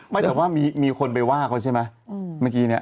แต่ว่ามีคนไปว่าเขาใช่ไหมเมื่อกี้เนี่ย